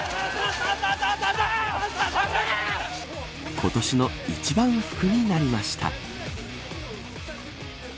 今年の一番福になりました。